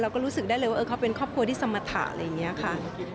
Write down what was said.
ก็รู้สึกได้เลยว่าเขาเป็นครอบครัวที่สมรรถะอะไรอย่างนี้ค่ะ